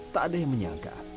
tak ada yang menyangka